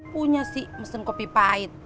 punya sih mesin kopi pahit